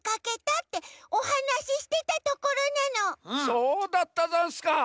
そうだったざんすか。